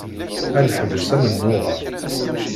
Ad neḥbes amennuɣ-a.